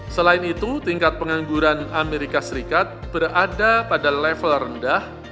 selain itu tingkat pengangguran amerika serikat berada pada level rendah